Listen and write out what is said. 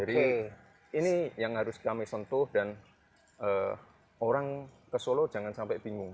ini yang harus kami sentuh dan orang ke solo jangan sampai bingung